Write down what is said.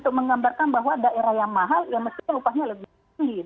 untuk menggambarkan bahwa daerah yang mahal ya mestinya upahnya lebih tinggi